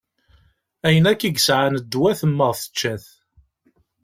Ayen akk i yesɛa n ddwa temmeɣ tečča-t.